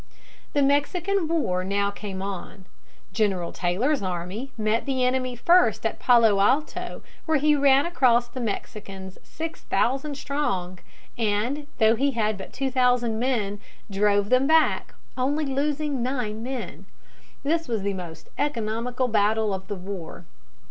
The Mexican War now came on. General Taylor's army met the enemy first at Palo Alto, where he ran across the Mexicans six thousand strong, and, though he had but two thousand men, drove them back, only losing nine men. This was the most economical battle of the war.